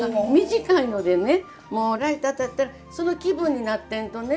短いのでねもうライト当たったらその気分になってんとね